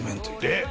えっ！